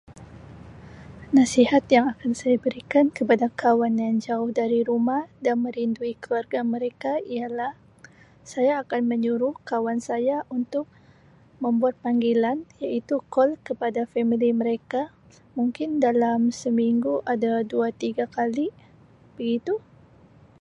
Nasihat yang akan saya berikan kepada kawan yang jauh dari rumah dan merindui keluarga mereka ialah saya akan menyuruh kawan saya untuk membuat panggilan iaitu call kepada family mereka mungkin dalam seminggu ada dua tiga kali begitu.